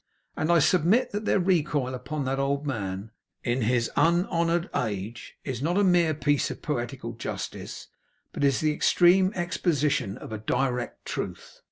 And I submit that their recoil upon that old man, in his unhonoured age, is not a mere piece of poetical justice, but is the extreme exposition of a direct truth.